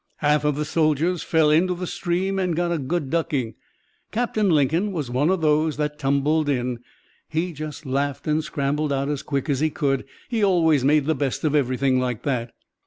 Half of the soldiers fell into the stream and got a good ducking. Captain Lincoln was one of those that tumbled in. He just laughed and scrambled out as quick as he could. He always made the best of everything like that.